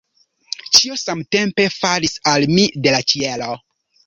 Ĉio samtempe falis al mi de la ĉielo.